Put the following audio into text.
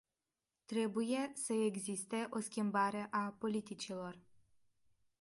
Trebuie să existe o schimbare a politicilor.